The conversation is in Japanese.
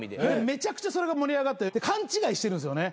めちゃくちゃそれが盛り上がって勘違いしてるんすよね。